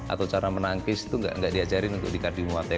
atau cara menangkis itu nggak diajarin untuk di kardiom muay thai